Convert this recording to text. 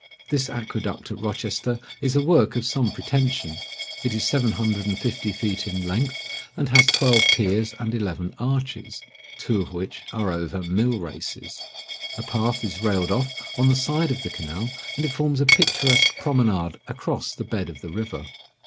This aqueduct at Rochester is a work of some pretension. It is seven hundred and fifty feet in length, and has twelve piers and eleven arches, two of which are over Mill races. A path is railed off on the side of the canal, and it forms a picturesque promenade across the bed of the river.